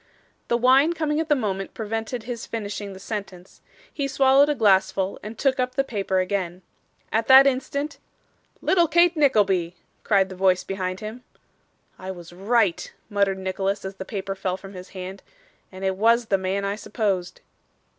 The wine coming at the moment prevented his finishing the sentence. He swallowed a glassful and took up the paper again. At that instant 'Little Kate Nickleby!' cried the voice behind him. 'I was right,' muttered Nicholas as the paper fell from his hand. 'And it was the man I supposed.